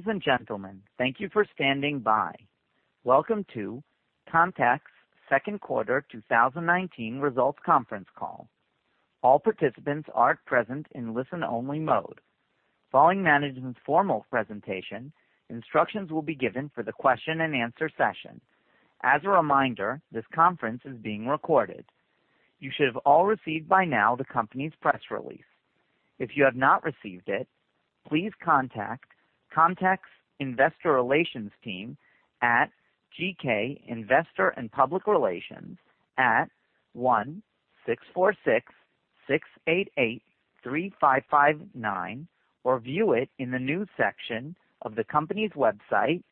Ladies and gentlemen, thank you for standing by. Welcome to Camtek's second quarter 2019 results conference call. All participants are present in listen-only mode. Following management's formal presentation, instructions will be given for the question and answer session. As a reminder, this conference is being recorded. You should have all received by now the company's press release. If you have not received it, please contact Camtek's investor relations team at GK Investor & Public Relations at 1-646-688-3559 or view it in the news section of the company's website,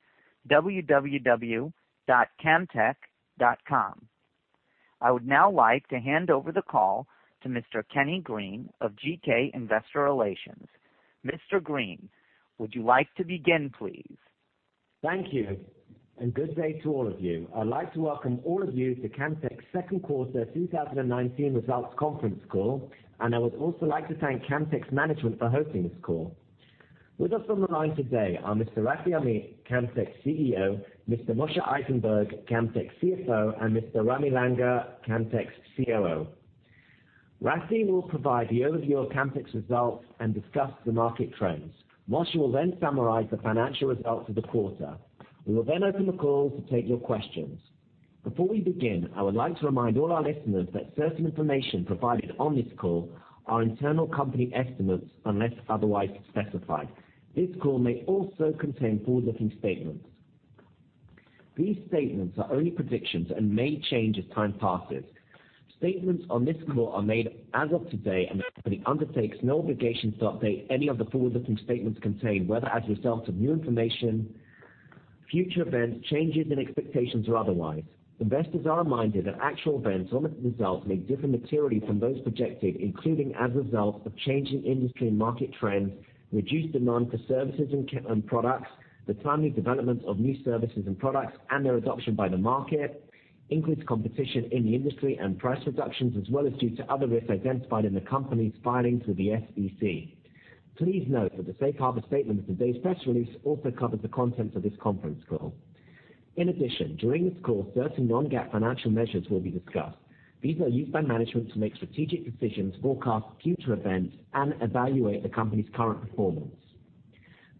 www.camtek.com. I would now like to hand over the call to Mr. Kenny Green of GK Investor Relations. Mr. Green, would you like to begin, please? Thank you, and good day to all of you. I'd like to welcome all of you to Camtek's second quarter 2019 results conference call. I would also like to thank Camtek's management for hosting this call. With us on the line today are Mr. Rafi Amit, Camtek's CEO, Mr. Moshe Eisenberg, Camtek's CFO, and Mr. Ramy Langer, Camtek's COO. Rafi will provide the overview of Camtek's results and discuss the market trends. Moshe will then summarize the financial results of the quarter. We will then open the call to take your questions. Before we begin, I would like to remind all our listeners that certain information provided on this call are internal company estimates unless otherwise specified. This call may also contain forward-looking statements. These statements are only predictions and may change as time passes. Statements on this call are made as of today, and the company undertakes no obligation to update any of the forward-looking statements contained, whether as a result of new information, future events, changes in expectations, or otherwise. Investors are reminded that actual events or results may differ materially from those projected, including as a result of changing industry and market trends, reduced demand for services and products, the timely development of new services and products and their adoption by the market, increased competition in the industry and price reductions, as well as due to other risks identified in the company's filings with the SEC. Please note that the safe harbor statement in today's press release also covers the contents of this conference call. In addition, during this call, certain non-GAAP financial measures will be discussed. These are used by management to make strategic decisions, forecast future events, and evaluate the company's current performance.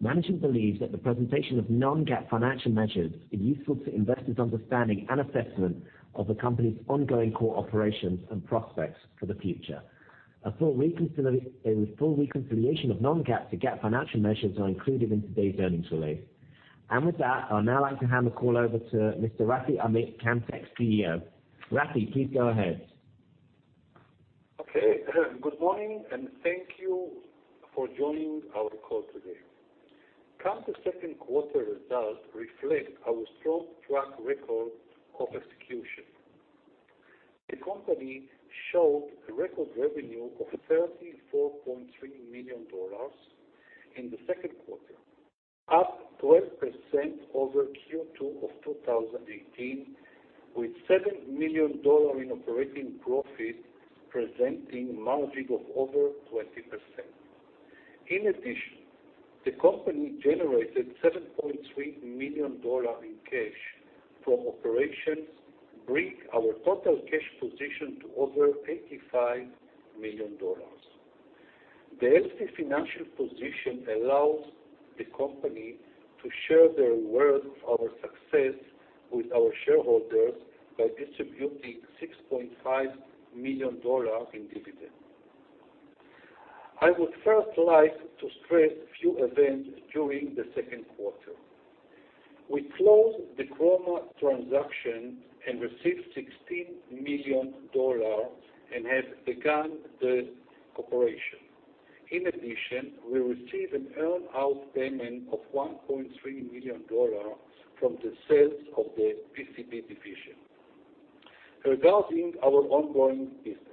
Management believes that the presentation of non-GAAP financial measures is useful to investors' understanding and assessment of the company's ongoing core operations and prospects for the future. A full reconciliation of non-GAAP to GAAP financial measures are included in today's earnings release. With that, I'd now like to hand the call over to Mr. Rafi Amit, Camtek's CEO. Rafi, please go ahead. Okay. Good morning, thank you for joining our call today. Camtek's second quarter results reflect our strong track record of execution. The company showed a record revenue of $34.3 million in the second quarter, up 12% over Q2 of 2018, with $7 million in operating profit, presenting a margin of over 20%. The company generated $7.3 million in cash from operations, bring our total cash position to over $85 million. The healthy financial position allows the company to share the rewards of our success with our shareholders by distributing $6.5 million in dividends. I would first like to stress a few events during the second quarter. We closed the Chroma transaction and received $16 million and have begun the cooperation. We received an earn-out payment of $1.3 million from the sales of the PCB division. Regarding our ongoing business.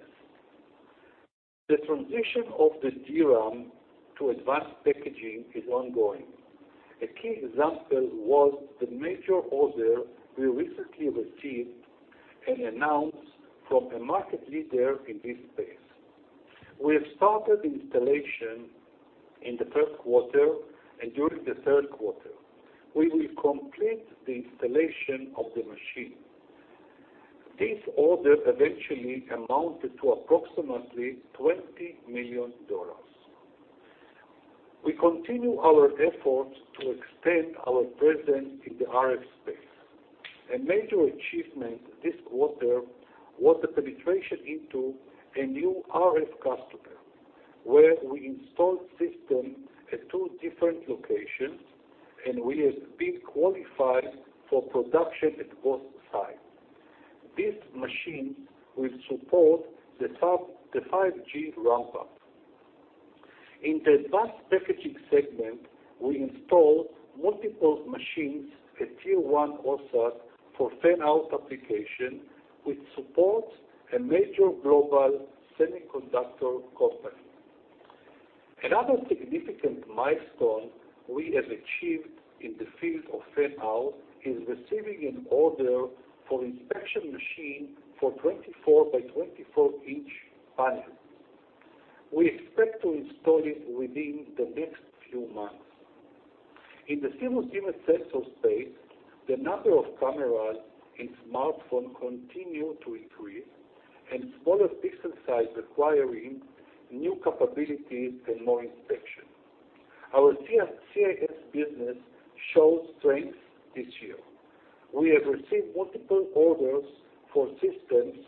The transition of the DRAM to advanced packaging is ongoing. A key example was the major order we recently received and announced from a market leader in this space. We have started installation in the third quarter, and during the third quarter, we will complete the installation of the machine. This order eventually amounted to approximately $20 million. We continue our efforts to extend our presence in the RF space. A major achievement this quarter was the penetration into a new RF customer, where we installed systems at two different locations, and we have been qualified for production at both sites. These machines will support the 5G ramp-up. In the advanced packaging segment, we installed multiple machines at tier-1 OSAT for Fan-out application, which supports a major global semiconductor company. Another significant milestone we have achieved in the field of fan-out is receiving an order for inspection machine for 24 by 24-inch panel. We expect to install it within the next few months. In the CMOS image sensor space, the number of cameras in smartphone continue to increase, and smaller pixel size requiring new capabilities and more inspection. Our CIS business shows strength this year. We have received multiple orders for systems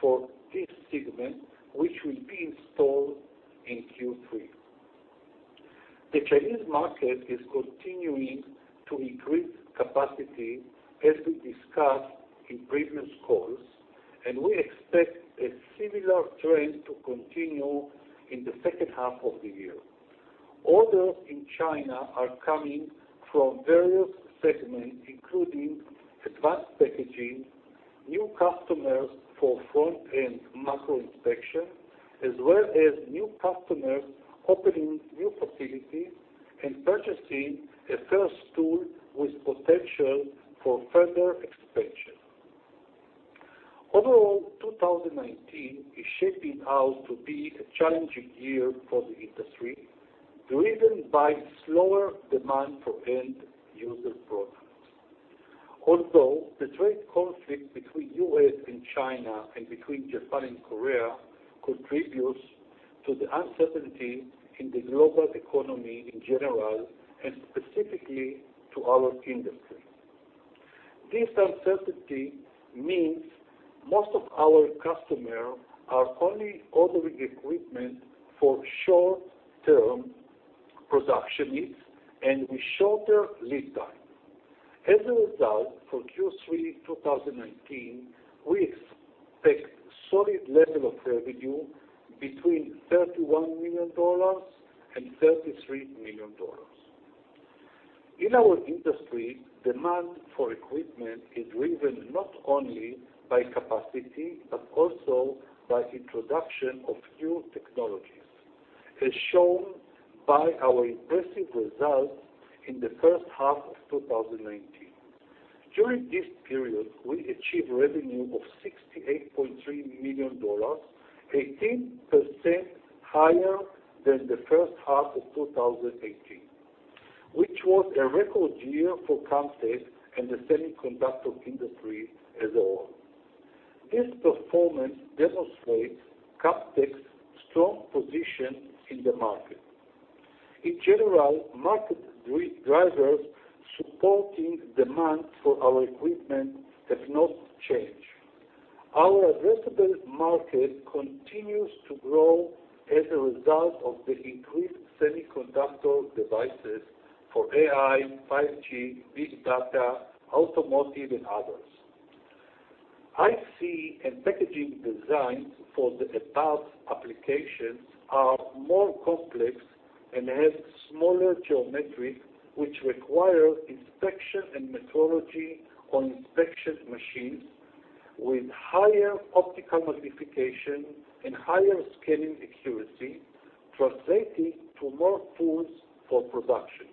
for this segment, which will be installed in Q3. The Chinese market is continuing to increase capacity as we discussed in previous calls. We expect a similar trend to continue in the second half of the year. Orders in China are coming from various segments, including advanced packaging, new customers for front-end macro inspection, as well as new customers opening new facilities and purchasing a first tool with potential for further expansion. Overall, 2019 is shaping out to be a challenging year for the industry, driven by slower demand for end user products. Although the trade conflict between U.S. and China and between Japan and Korea contributes to the uncertainty in the global economy in general, and specifically to our industry. This uncertainty means most of our customers are only ordering equipment for short-term production needs and with shorter lead time. As a result, for Q3 2019, we expect solid level of revenue between $31 million and $33 million. In our industry, demand for equipment is driven not only by capacity, but also by introduction of new technologies, as shown by our impressive results in the first half of 2019. During this period, we achieved revenue of $68.3 million, 18% higher than the first half of 2018, which was a record year for Camtek and the semiconductor industry as a whole. This performance demonstrates Camtek's strong position in the market. In general, market drivers supporting demand for our equipment has not changed. Our addressable market continues to grow as a result of the increased semiconductor devices for AI, 5G, big data, automotive, and others. IC and packaging design for the advanced applications are more complex and have smaller geometry, which require inspection and metrology on inspection machines with higher optical magnification and higher scaling accuracy, translating to more tools for production.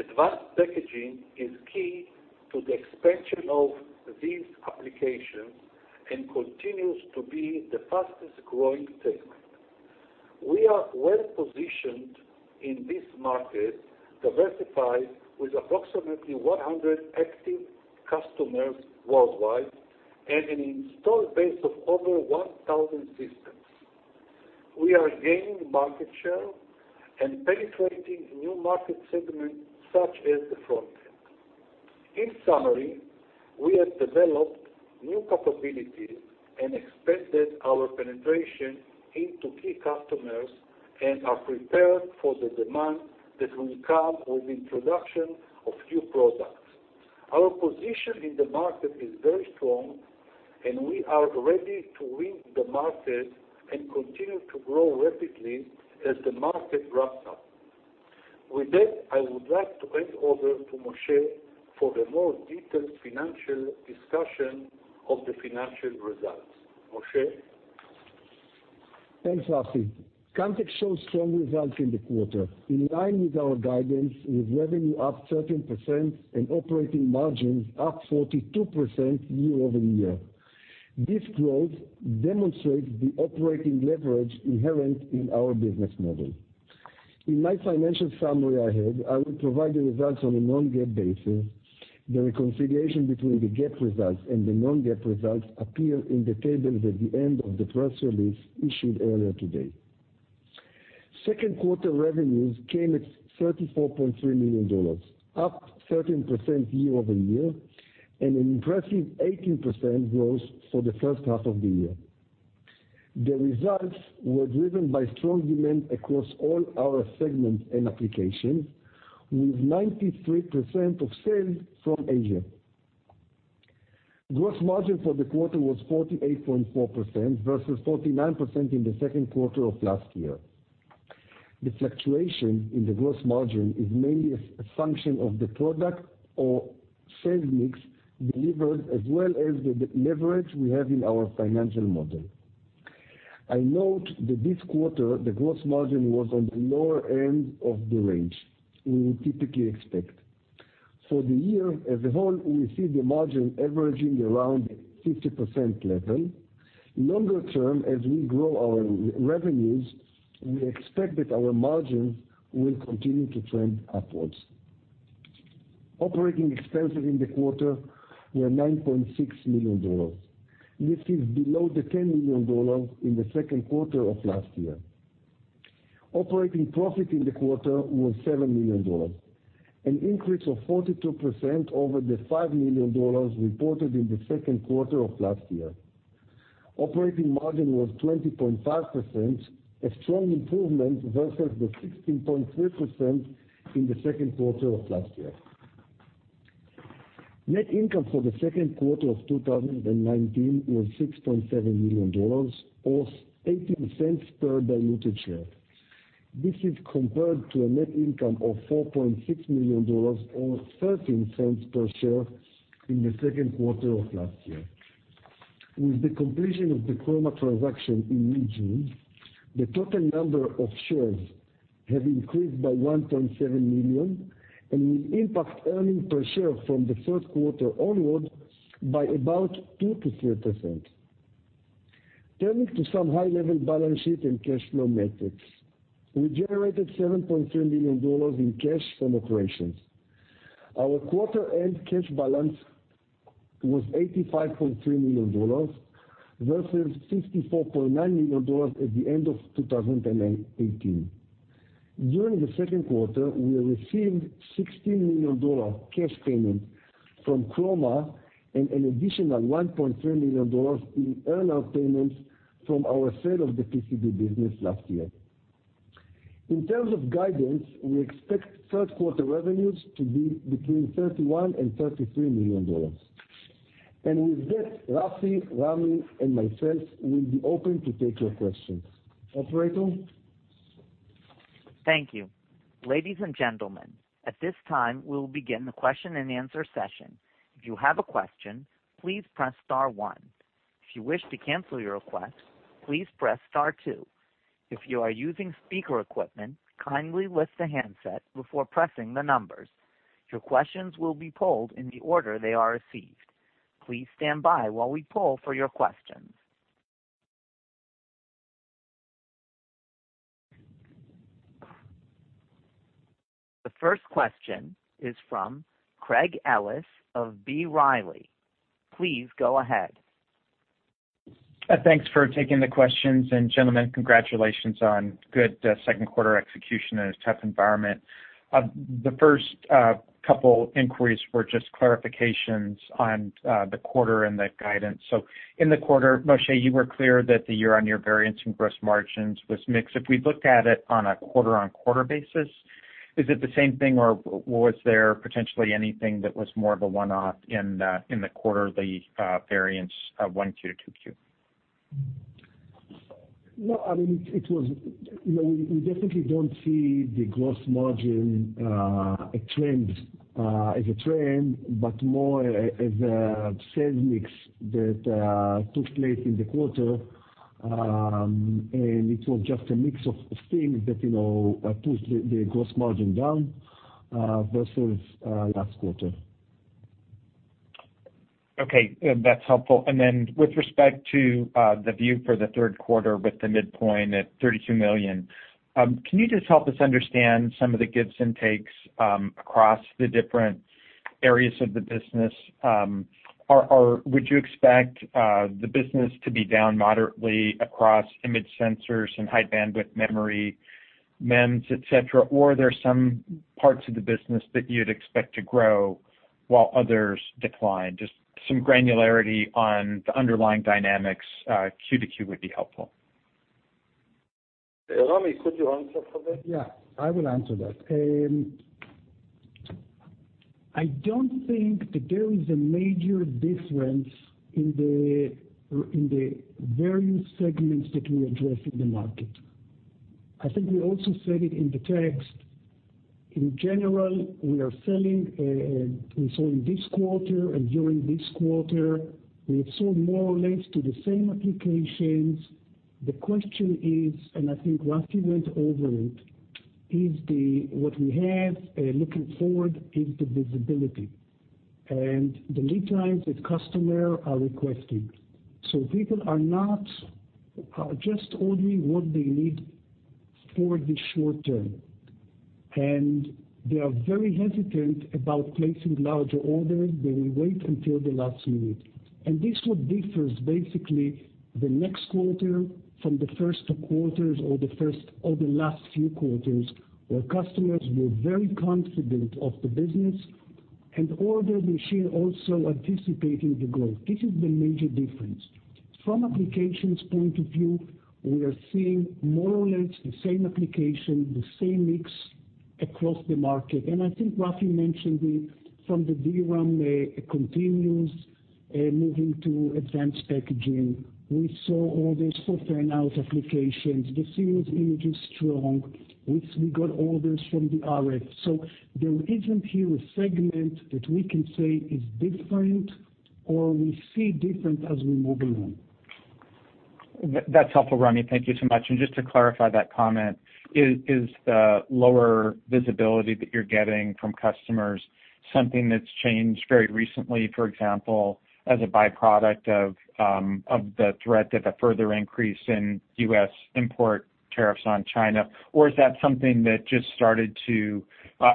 Advanced packaging is key to the expansion of these applications and continues to be the fastest-growing segment. We are well-positioned in this market, diversified with approximately 100 active customers worldwide and an installed base of over 1,000 systems. We are gaining market share and penetrating new market segments such as the front end. In summary, we have developed new capabilities and expanded our penetration into key customers and are prepared for the demand that will come with introduction of new products. Our position in the market is very strong, and we are ready to win the market and continue to grow rapidly as the market ramps up. With that, I would like to hand over to Moshe for the more detailed financial discussion of the financial results. Moshe? Thanks, Rafi. Camtek shows strong results in the quarter, in line with our guidance, with revenue up 13% and operating margins up 42% year-over-year. This growth demonstrates the operating leverage inherent in our business model. In my financial summary ahead, I will provide the results on a non-GAAP basis. The reconciliation between the GAAP results and the non-GAAP results appear in the tables at the end of the press release issued earlier today. Second quarter revenues came at $34.3 million, up 13% year-over-year, and an impressive 18% growth for the first half of the year. The results were driven by strong demand across all our segments and applications, with 93% of sales from Asia. Gross margin for the quarter was 48.4% versus 49% in the second quarter of last year. The fluctuation in the gross margin is mainly a function of the product or sales mix delivered, as well as the leverage we have in our financial model. I note that this quarter, the gross margin was on the lower end of the range we would typically expect. For the year as a whole, we see the margin averaging around 50% level. Longer term, as we grow our revenues, we expect that our margins will continue to trend upwards. Operating expenses in the quarter were $9.6 million. This is below the $10 million in the second quarter of last year. Operating profit in the quarter was $7 million, an increase of 42% over the $5 million reported in the second quarter of last year. Operating margin was 20.5%, a strong improvement versus the 16.3% in the second quarter of last year. Net income for the second quarter of 2019 was $6.7 million or $0.18 per diluted share. This is compared to a net income of $4.6 million or $0.13 per share in the second quarter of last year. With the completion of the Chroma transaction in mid-June, the total number of shares have increased by 1.7 million and will impact earning per share from the third quarter onward by about 2%-3%. Turning to some high-level balance sheet and cash flow metrics. We generated $7.3 million in cash from operations. Our quarter-end cash balance was $85.3 million versus $64.9 million at the end of 2018. During the second quarter, we received $16 million cash payment from Chroma and an additional $1.3 million in earnout payments from our sale of the PCB business last year. In terms of guidance, we expect third quarter revenues to be between $31 and $33 million. With that, Rafi, Ram, and myself will be open to take your questions. Operator? Thank you. Ladies and gentlemen, at this time, we will begin the question and answer session. If you have a question, please press star one. If you wish to cancel your request, please press star two. If you are using speaker equipment, kindly lift the handset before pressing the numbers. Your questions will be polled in the order they are received. Please stand by while we poll for your questions. The first question is from Craig Ellis of B. Riley. Please go ahead. Thanks for taking the questions, gentlemen, congratulations on good second quarter execution in a tough environment. The first couple inquiries were just clarifications on the quarter and the guidance. In the quarter, Moshe, you were clear that the year-on-year variance in gross margins was mixed. If we looked at it on a quarter-on-quarter basis, is it the same thing or was there potentially anything that was more of a one-off in the quarter, the variance of one Q to two Q? No, we definitely don't see the gross margin as a trend, but more as a sales mix that took place in the quarter. It was just a mix of things that pushed the gross margin down versus last quarter. Okay. That's helpful. With respect to the view for the third quarter with the midpoint at $32 million, can you just help us understand some of the gives and takes across the different areas of the business? Would you expect the business to be down moderately across image sensors and high-bandwidth memory, MEMS, et cetera? Are there some parts of the business that you'd expect to grow while others decline? Just some granularity on the underlying dynamics quarter-to-quarter would be helpful. Ramy, could you answer for that? Yeah, I will answer that. I don't think that there is a major difference in the various segments that we address in the market. I think we also said it in the text, in general, in this quarter and during this quarter, we have sold more or less to the same applications. The question is, I think Rafi went over it, is what we have, looking forward is the visibility. The lead times that customer are requesting. People are just ordering what they need for the short term, and they are very hesitant about placing larger orders. They will wait until the last minute. This what differs basically the next quarter from the first two quarters or the last few quarters, where customers were very confident of the business and ordered machine also anticipating the growth. This is the major difference. From applications point of view, we are seeing more or less the same application, the same mix across the market. I think Rafi mentioned it from the DRAM continues, moving to advanced packaging. We saw orders for Fan-out applications. The CMOS image is strong. We got orders from the RF. There isn't here a segment that we can say is different or we see different as we move along. That's helpful, Ramy. Thank you so much. Just to clarify that comment, is the lower visibility that you're getting from customers something that's changed very recently, for example, as a byproduct of the threat of a further increase in U.S. import tariffs on China? Is that something that just started to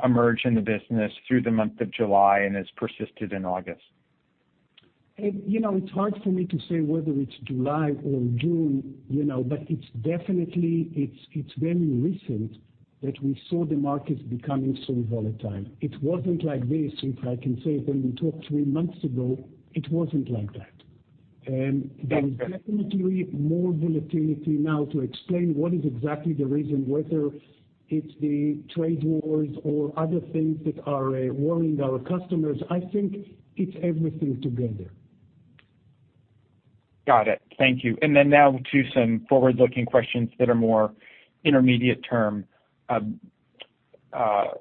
emerge in the business through the month of July and has persisted in August? It's hard for me to say whether it's July or June, but it's definitely very recent that we saw the markets becoming so volatile. It wasn't like this, if I can say, when we talked three months ago, it wasn't like that. There is definitely more volatility now to explain what is exactly the reason, whether it's the trade wars or other things that are worrying our customers. I think it's everything together. Got it. Thank you. Now to some forward-looking questions that are more intermediate term. Rafi,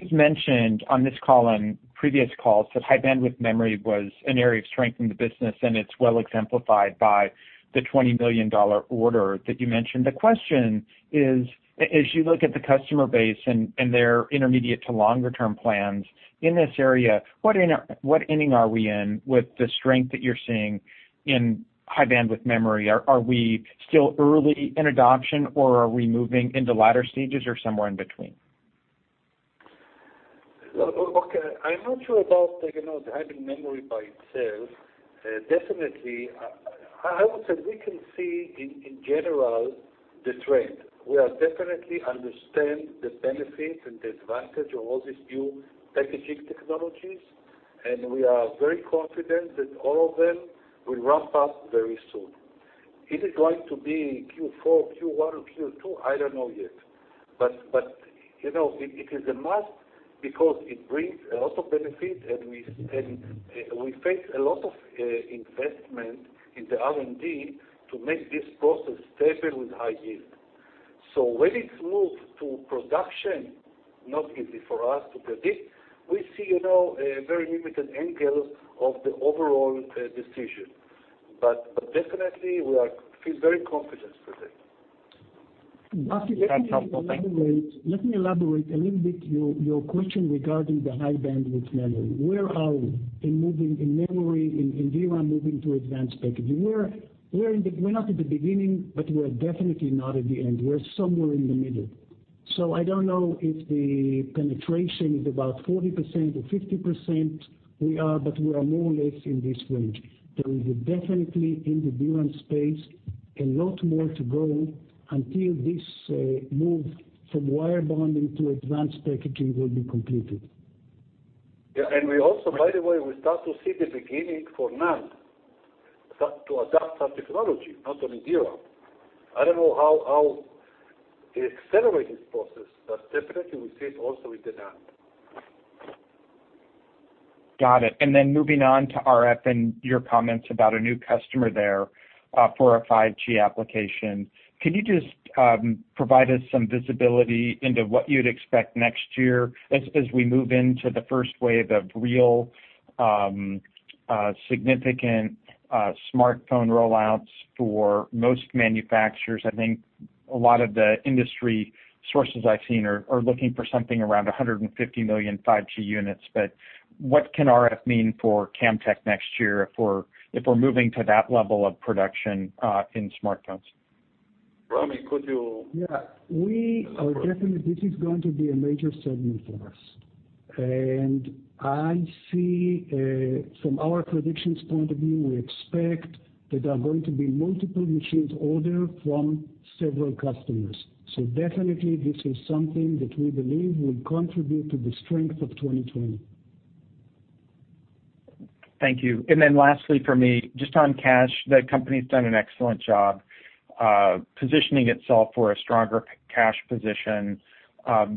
you've mentioned on this call and previous calls that high-bandwidth memory was an area of strength in the business, and it's well exemplified by the $20 million order that you mentioned. The question is, as you look at the customer base and their intermediate to longer-term plans in this area, what inning are we in with the strength that you're seeing in high-bandwidth memory? Are we still early in adoption or are we moving into latter stages or somewhere in between? Okay. I'm not sure about the high-bandwidth memory by itself. Definitely, I would say we can see in general the trend. We definitely understand the benefit and the advantage of all these new packaging technologies, and we are very confident that all of them will ramp up very soon. Is it going to be Q4, Q1, or Q2? I don't know yet. It is a must because it brings a lot of benefit, and we face a lot of investment in the R&D to make this process stable with high yield. When it moves to production, not easy for us to predict. We see a very limited angle of the overall decision. Definitely, we feel very confident with it. That's helpful. Thank you. Let me elaborate a little bit your question regarding the high-bandwidth memory. Where are we in moving in memory, in DRAM, moving to advanced packaging? We're not at the beginning, we're definitely not at the end. We're somewhere in the middle. I don't know if the penetration is about 40% or 50%, we are more or less in this range. There is definitely, in the DRAM space, a lot more to go until this move from wire bonding to advanced packaging will be completed. Yeah. We also, by the way, we start to see the beginning for NAND to adapt that technology, not only DRAM. I don't know how it accelerates this process, but definitely we see it also with the NAND. Got it. Then moving on to RF and your comments about a new customer there for a 5G application. Can you just provide us some visibility into what you'd expect next year as we move into the first wave of real significant smartphone rollouts for most manufacturers? I think a lot of the industry sources I've seen are looking for something around 150 million 5G units. What can RF mean for Camtek next year if we're moving to that level of production in smartphones? Ramy, could you? Yeah. This is going to be a major segment for us. I see from our predictions point of view, we expect that there are going to be multiple machines ordered from several customers. Definitely, this is something that we believe will contribute to the strength of 2020. Thank you. Lastly for me, just on cash, the company's done an excellent job positioning itself for a stronger cash position. A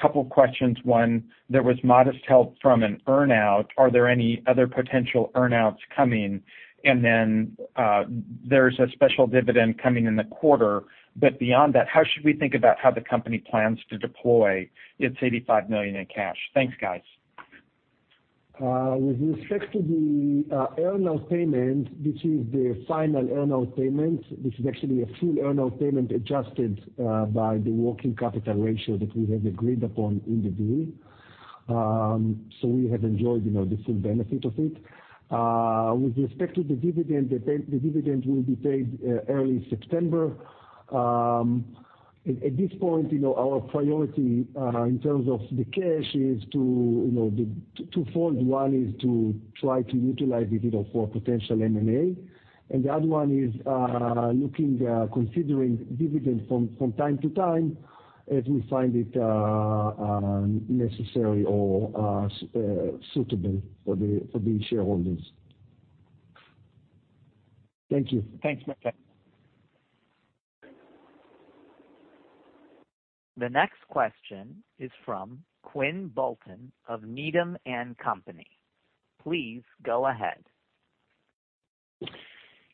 couple questions. One, there was modest help from an earn-out. Are there any other potential earn-outs coming? There's a special dividend coming in the quarter. Beyond that, how should we think about how the company plans to deploy its $85 million in cash? Thanks, guys. With respect to the earn-out payment, this is the final earn-out payment. This is actually a full earn-out payment adjusted by the working capital ratio that we have agreed upon in the deal. We have enjoyed the full benefit of it. With respect to the dividend, the dividend will be paid early September. At this point, our priority in terms of the cash is twofold. One is to try to utilize it for potential M&A. The other one is considering dividend from time to time as we find it necessary or suitable for the shareholders. Thank you. Thanks, Rami. The next question is from Quinn Bolton of Needham & Company. Please go ahead.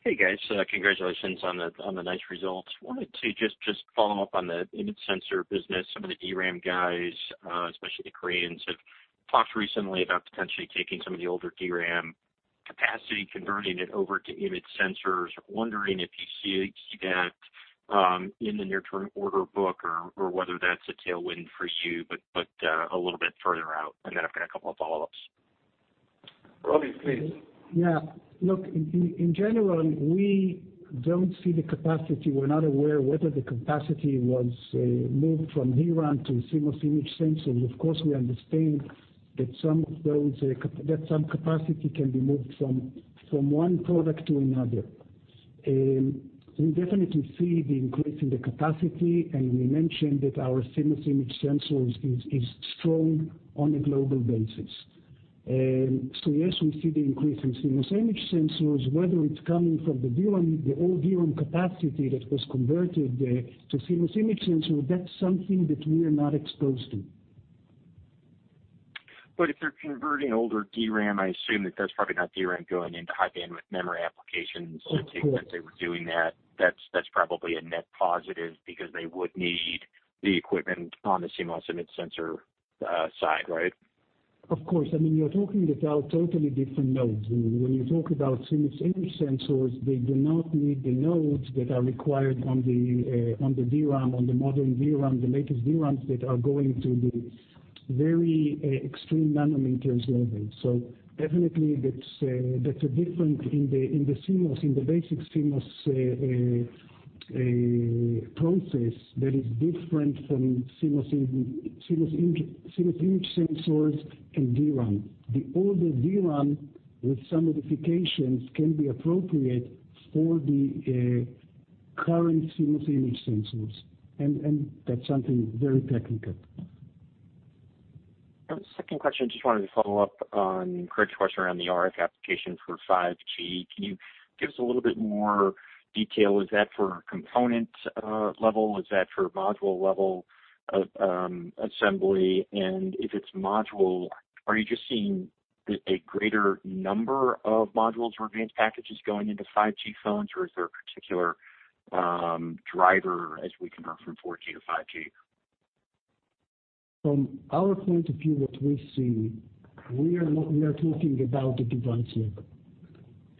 Hey, guys. Congratulations on the nice results. Wanted to just follow up on the image sensor business. Some of the DRAM guys, especially the Koreans, have talked recently about potentially taking some of the older DRAM capacity, converting it over to image sensors. Wondering if you see that in the near-term order book or whether that's a tailwind for you, but a little bit further out, and then I've got a couple of follow-ups. Ramy, please. Yeah. Look, in general, we don't see the capacity. We're not aware whether the capacity was moved from DRAM to CMOS image sensors. Of course, we understand that some capacity can be moved from one product to another. We definitely see the increase in the capacity, and we mentioned that our CMOS image sensors is strong on a global basis. Yes, we see the increase in CMOS image sensors, whether it's coming from the old DRAM capacity that was converted to CMOS image sensor, that's something that we are not exposed to. If they're converting older DRAM, I assume that that's probably not DRAM going into high-bandwidth memory applications. Of course. To the extent they were doing that's probably a net positive because they would need the equipment on the CMOS image sensor side, right? Of course. You're talking about totally different nodes. When you talk about CMOS image sensors, they do not need the nodes that are required on the modern DRAM, the latest DRAMs that are going to the very extreme nanometers level. Definitely that's different in the basic CMOS process that is different from CMOS image sensors and DRAM. The older DRAM with some modifications can be appropriate for the current CMOS image sensors, and that's something very technical. Second question, just wanted to follow up on Craig's question around the RF application for 5G. Can you give us a little bit more detail? Is that for component level? Is that for module level assembly? If it's module, are you just seeing a greater number of modules or advanced packages going into 5G phones, or is there a particular driver as we convert from 4G to 5G? From our point of view, what we see, we are talking about the device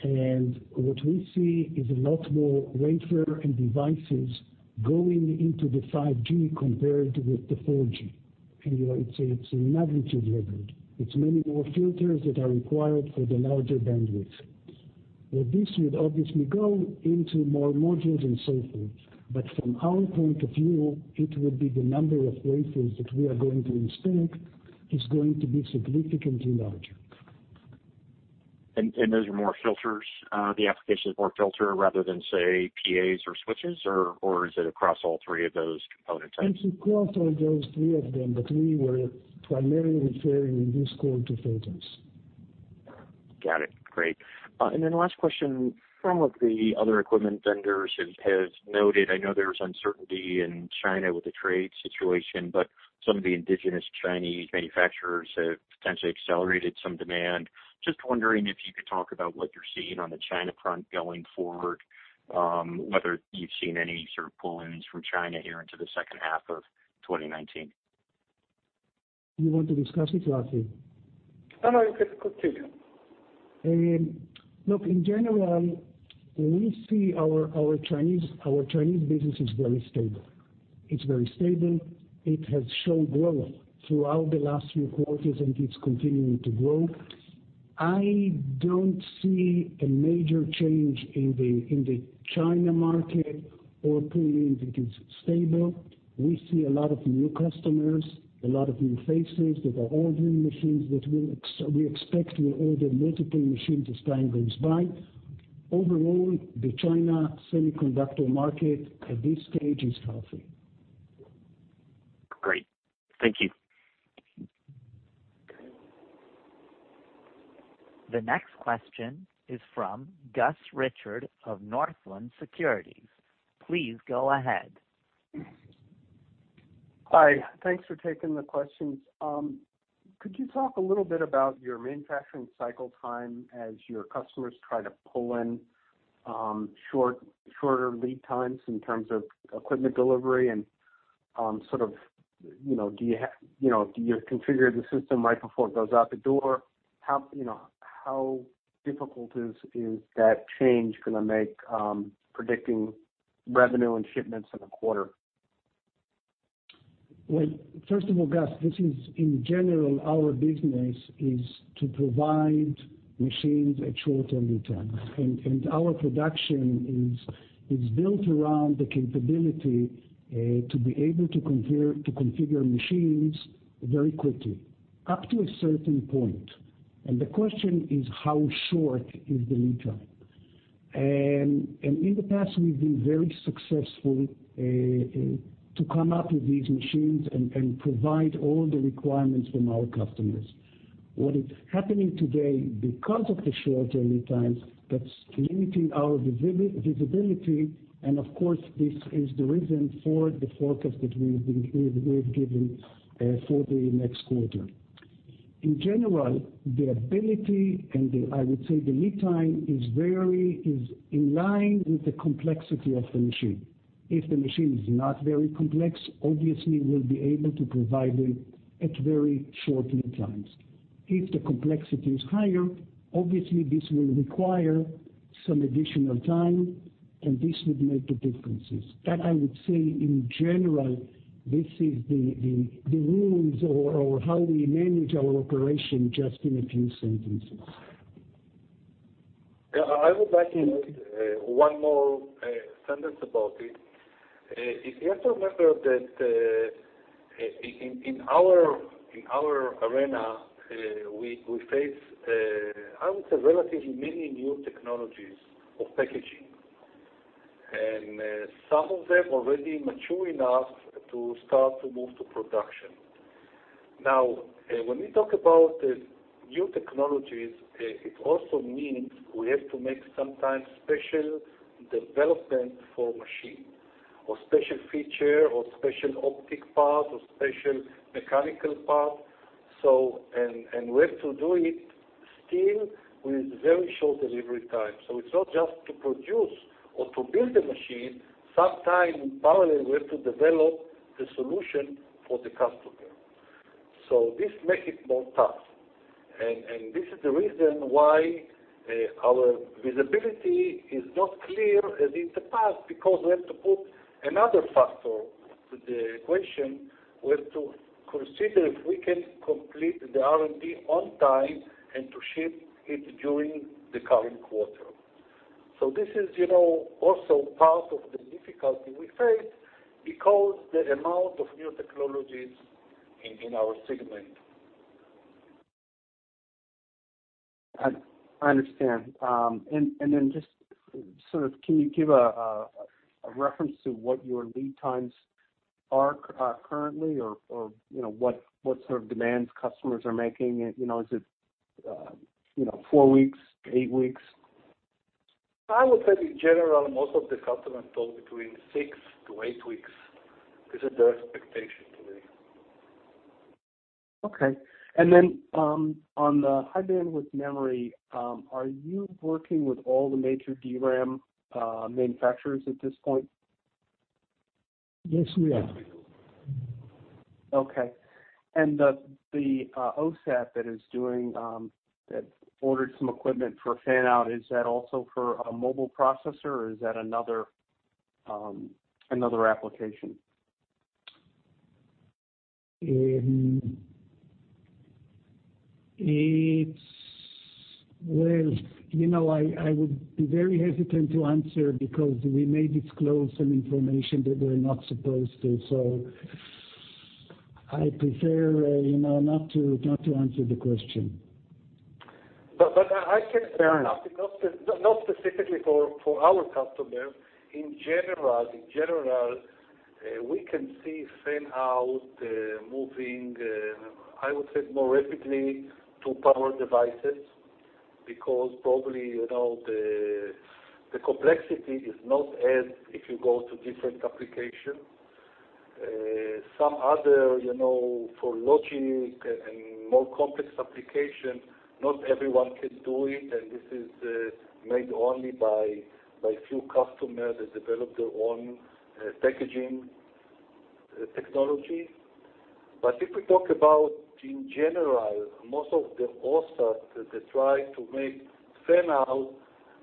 level. What we see is a lot more wafer and devices going into the 5G compared with the 4G. It's a magnitude level. It's many more filters that are required for the larger bandwidth. This would obviously go into more modules and so forth. From our point of view, it would be the number of wafers that we are going to install is going to be significantly larger. Those are more filters? The application is more filter rather than, say, PAs or switches, or is it across all three of those component types? It's across all those three of them, but we were primarily referring in this call to filters. Got it. Great. Last question. Some of the other equipment vendors have noted, I know there's uncertainty in China with the trade situation, but some of the indigenous Chinese manufacturers have potentially accelerated some demand. Just wondering if you could talk about what you're seeing on the China front going forward, whether you've seen any sort of pull-ins from China here into the second half of 2019. Do you want to discuss it, Rafi? No, you could continue. Look, in general, we see our Chinese business is very stable. It's very stable. It has shown growth throughout the last few quarters, and it's continuing to grow. I don't see a major change in the China market or pull-ins. It is stable. We see a lot of new customers, a lot of new faces that are ordering machines that we expect will order multiple machines as time goes by. Overall, the China semiconductor market at this stage is healthy. Great. Thank you. The next question is from Gus Richard of Northland Securities. Please go ahead. Hi. Thanks for taking the questions. Could you talk a little bit about your manufacturing cycle time as your customers try to pull in shorter lead times in terms of equipment delivery, and do you configure the system right before it goes out the door? How difficult is that change going to make predicting revenue and shipments in a quarter? Well, first of all, Gus, this is in general, our business is to provide machines at short-term lead times. Our production is built around the capability to be able to configure machines very quickly, up to a certain point. The question is how short is the lead time. In the past, we've been very successful to come up with these machines and provide all the requirements from our customers. What is happening today because of the short lead times, that's limiting our visibility, and of course, this is the reason for the forecast that we have given for the next quarter. In general, the ability and I would say the lead time is in line with the complexity of the machine. If the machine is not very complex, obviously we'll be able to provide it at very short lead times. If the complexity is higher, obviously this will require some additional time, and this would make the differences. That I would say in general, this is the rules or how we manage our operation just in a few sentences. I would like to make one more sentence about it. You have to remember that in our arena, we face, I would say, relatively many new technologies of packaging. Some of them already mature enough to start to move to production. When we talk about the new technologies, it also means we have to make sometimes special development for machine or special feature or special optic part or special mechanical part. We have to do it still with very short delivery time. It's not just to produce or to build the machine, sometimes parallel, we have to develop the solution for the customer. This makes it more tough. This is the reason why our visibility is not clear as in the past, because we have to put another factor to the equation. We have to consider if we can complete the R&D on time and to ship it during the current quarter. This is also part of the difficulty we face because the amount of new technologies in our segment. I understand. Just sort of can you give a reference to what your lead times are currently or what sort of demands customers are making? Is it four weeks, eight weeks? I would say in general, most of the customers told between six to eight weeks. This is their expectation today. Okay. On the high-bandwidth memory, are you working with all the major DRAM manufacturers at this point? Yes, we are. Okay. The OSAT that ordered some equipment for Fan-out, is that also for a mobile processor, or is that another application? Well, I would be very hesitant to answer because we may disclose some information that we're not supposed to. I prefer not to answer the question. But I can- Fair enough. not specifically for our customer. In general, we can see Fan-out moving, I would say more rapidly to power devices because probably the complexity is not as if you go to different application. Some other, for logic and more complex application, not everyone can do it, and this is made only by few customers that develop their own packaging technology. If we talk about in general, most of the OSAT that try to make Fan-out,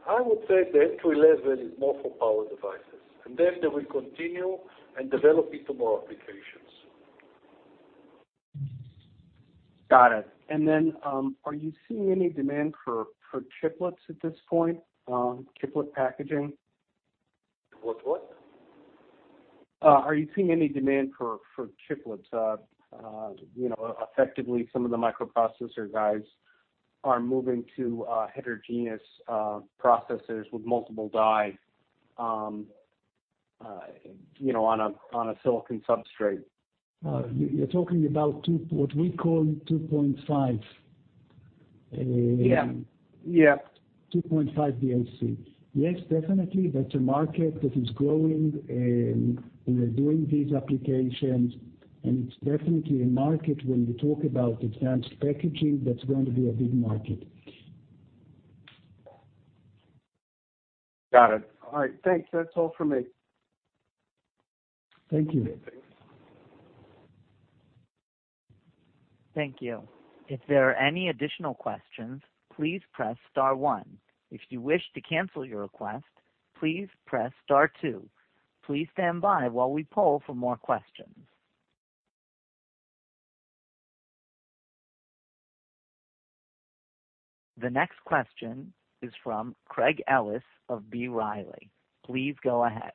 I would say the entry level is more for power devices. Then they will continue and develop it to more applications. Got it. Are you seeing any demand for chiplets at this point? Chiplet packaging? What? Are you seeing any demand for chiplets? Effectively some of the microprocessor guys are moving to heterogeneous processors with multiple die on a silicon substrate. You're talking about what we call 2.5D. Yeah. 2.5D DAC. Yes, definitely. That's a market that is growing, and we are doing these applications, and it's definitely a market when you talk about advanced packaging, that's going to be a big market. Got it. All right. Thanks. That's all for me. Thank you. Thank you. Thank you. If there are any additional questions, please press star one. If you wish to cancel your request, please press star two. Please stand by while we poll for more questions. The next question is from Craig Ellis of B. Riley. Please go ahead.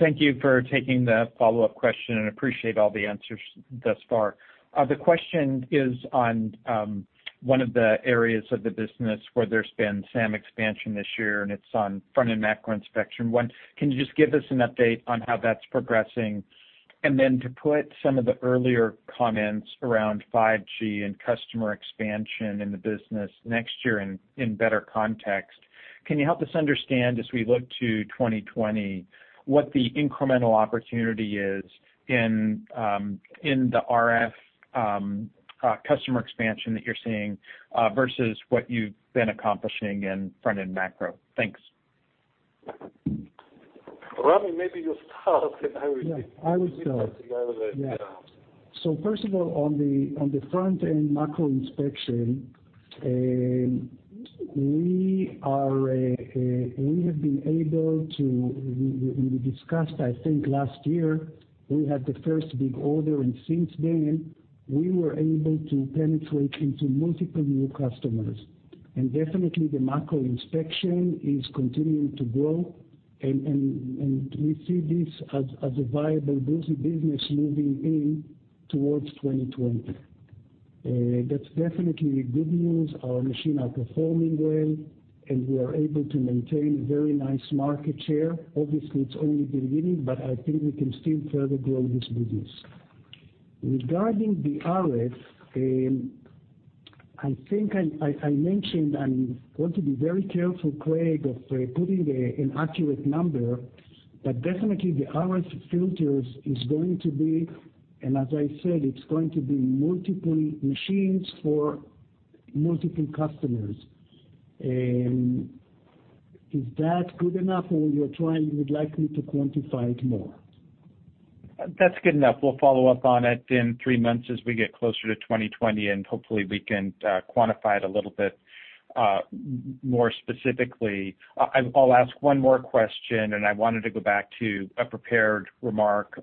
Thank you for taking the follow-up question. Appreciate all the answers thus far. The question is on one of the areas of the business where there's been SAM expansion this year. It's on front-end macro inspection. One, can you just give us an update on how that's progressing? Then to put some of the earlier comments around 5G and customer expansion in the business next year in better context, can you help us understand as we look to 2020, what the incremental opportunity is in the RF customer expansion that you're seeing versus what you've been accomplishing in front-end macro? Thanks. Ramy, maybe you start. Yeah, I will start give my thing over the top. First of all, on the front-end macro inspection, We discussed, I think last year, we had the first big order, and since then, we were able to penetrate into multiple new customers. Definitely the macro inspection is continuing to grow, and we see this as a viable business moving in towards 2020. That's definitely good news. Our machine are performing well, and we are able to maintain very nice market share. Obviously, it's only the beginning, but I think we can still further grow this business. Regarding the RF, I think I mentioned, I want to be very careful, Craig, of putting an accurate number, but definitely the RF filters is going to be, and as I said, it's going to be multiple machines for multiple customers. Is that good enough, or you would like me to quantify it more? That's good enough. We'll follow up on it in 3 months as we get closer to 2020, and hopefully we can quantify it a little bit more specifically. I'll ask one more question, and I wanted to go back to a prepared remark.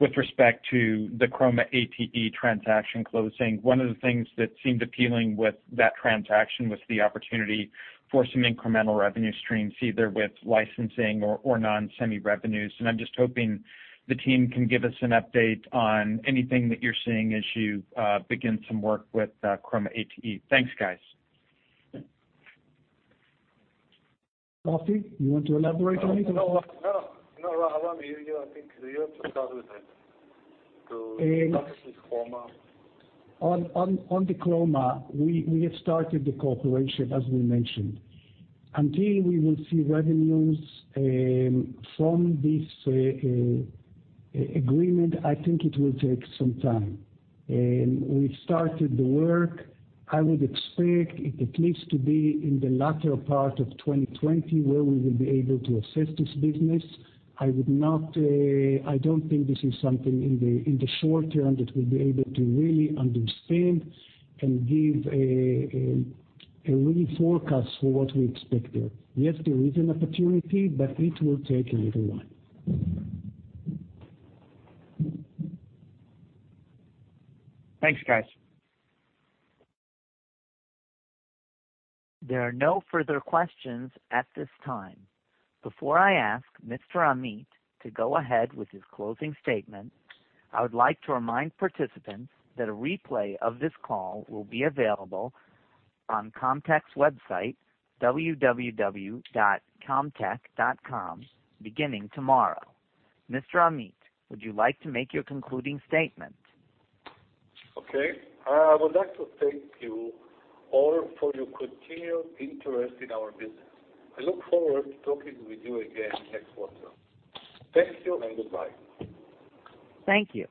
With respect to the Chroma ATE transaction closing, one of the things that seemed appealing with that transaction was the opportunity for some incremental revenue streams, either with licensing or non-semi revenues. I'm just hoping the team can give us an update on anything that you're seeing as you begin some work with Chroma ATE. Thanks, guys. Rafi, you want to elaborate on it? No, Ramy, I think you have to start with it, to start with Chroma. On the Chroma, we have started the cooperation, as we mentioned. Until we will see revenues from this agreement, I think it will take some time. We've started the work. I would expect it at least to be in the latter part of 2020 where we will be able to assess this business. I don't think this is something in the short-term that we'll be able to really understand and give a real forecast for what we expect there. Yes, there is an opportunity, but it will take a little while. Thanks, guys. There are no further questions at this time. Before I ask Mr. Amit to go ahead with his closing statement, I would like to remind participants that a replay of this call will be available on Camtek's website, www.camtek.com, beginning tomorrow. Mr. Amit, would you like to make your concluding statement? Okay. I would like to thank you all for your continued interest in our business. I look forward to talking with you again next quarter. Thank you and goodbye. Thank you.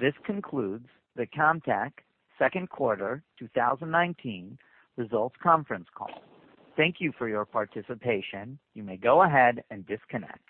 This concludes the Camtek second quarter 2019 results conference call. Thank you for your participation. You may go ahead and disconnect.